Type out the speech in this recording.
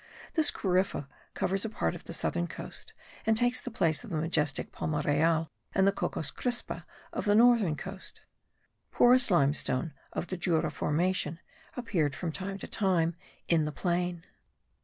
This Corypha covers a part of the southern coast and takes the place of the majestic palma real and the Cocos crispa of the northern coast. Porous limestone (of the Jura formation) appeared from time to time in the plain.